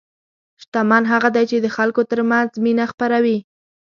شتمن هغه دی چې د خلکو ترمنځ مینه خپروي.